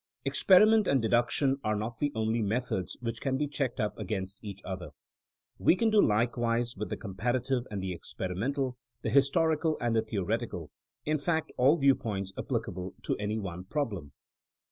Experiment and deduction are not the only methods which can be checked up against each other. We can do likewise with the compara tive and the experimental, the historical and the theoretical — ^in fact, all viewpoints applicable to any one problem.